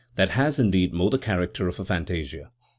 9), that has, indeed, more the character of a fantasia.